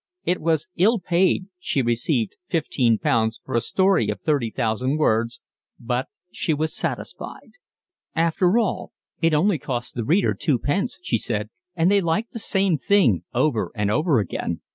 It was ill paid, she received fifteen pounds for a story of thirty thousand words; but she was satisfied. "After all, it only costs the reader twopence," she said, "and they like the same thing over and over again.